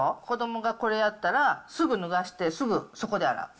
子どもがこれやったら、すぐ脱がして、すぐそこで洗う。